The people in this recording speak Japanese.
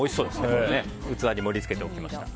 器に盛り付けておきました。